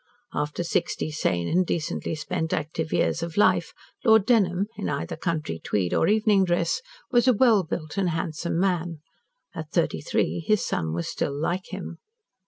After sixty sane and decently spent active years of life, Lord Dunholm, in either country tweed or evening dress, was a well built and handsome man; at thirty three his son was still like him.